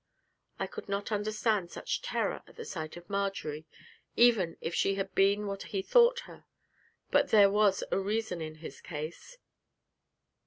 I could not understand such terror at the sight of Marjory, even if she had been what he thought her; but there was a reason in his case.